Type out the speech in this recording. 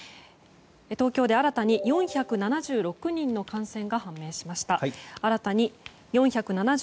東京で新たに４７６人の感染が判明しました。